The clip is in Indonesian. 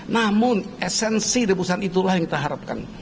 namun esensi rebusan itulah yang kita harapkan